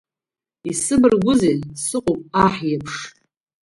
Исыбаргәузеи, сыҟоуп аҳ иеиԥш…